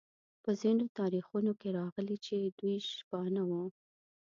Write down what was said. په ځینو تاریخونو کې راغلي چې دوی شپانه وو.